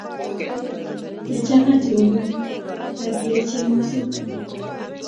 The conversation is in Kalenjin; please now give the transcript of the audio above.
Kichana tiobgik ak kiechene mising